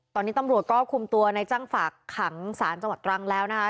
ตอนนี้ตำรวจก็คุมตัวในจ้างฝากขังสารจังหวัดตรังแล้วนะคะ